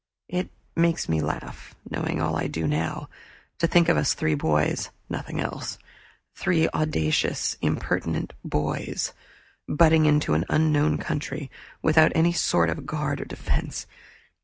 It makes me laugh, knowing all I do now, to think of us three boys nothing else; three audacious impertinent boys butting into an unknown country without any sort of a guard or defense.